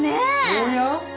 おや？